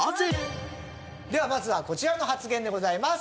ではまずはこちらの発言でございます。